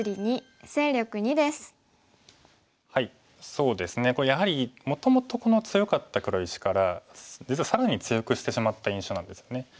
そうですねこれやはりもともと強かった黒石から実は更に強くしてしまった印象なんですよね。